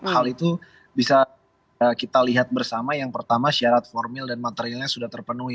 hal itu bisa kita lihat bersama yang pertama syarat formil dan materialnya sudah terpenuhi